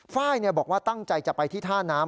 ไฟล์บอกว่าตั้งใจจะไปที่ท่าน้ำ